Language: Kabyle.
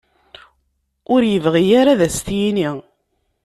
Ur ibɣi ara ad as-t-yini.